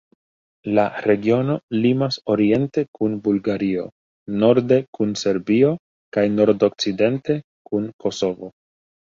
La regiono limas oriente kun Bulgario, norde kun Serbio kaj nordokcidente kun Kosovo.